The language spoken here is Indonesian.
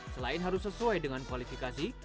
selain harus sesuai dengan kualifikasi